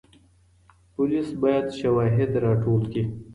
پولیس باید شواهد راټول کړي.